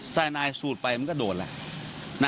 ไซยานายสูดไปมันก็โดดละ